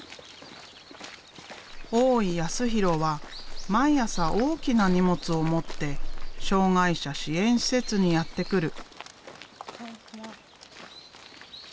大井康弘は毎朝大きな荷物を持って障害者支援施設にやって来る。